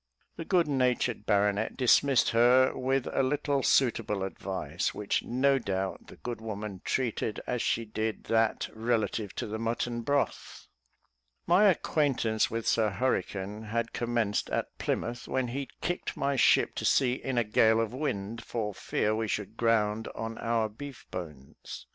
The good natured baronet dismissed her with a little suitable advice, which no doubt the good woman treated as she did that relative to the mutton broth. My acquaintance with Sir Hurricane had commenced at Plymouth, when he kicked my ship to sea in a gale of wind, for fear we should ground on our beef bones.